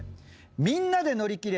みんなで乗り切れ！